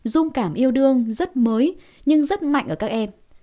dung cảm yêu đương rất mới nhưng rất mạnh ở các em